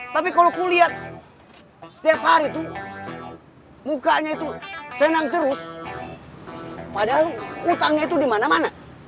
tapi kalau kulihat setiap hari tuh mukanya itu senang terus padahal utangnya itu dimana mana